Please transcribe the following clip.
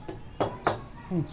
うん。